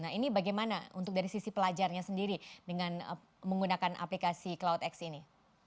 nah ini bagaimana untuk dari sisi pelajarnya sendiri dengan menggunakan aplikasi cloudx ini